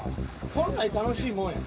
本来楽しいもんや。